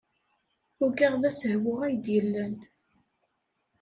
Ugaɣ d asehwu ay d-yellan.